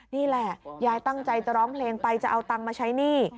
นี่แหละยายตั้งใจจะร้องเพลงไปจะเอาตังค์มาใช้หนี้